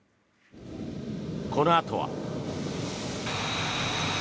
このあとは。